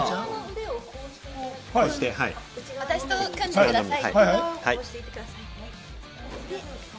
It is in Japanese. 腕を私と組んでください。